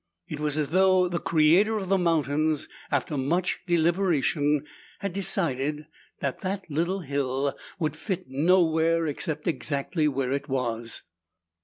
It was as though the Creator of the mountains, after much deliberation, had decided that the little hill would fit nowhere except exactly where it was.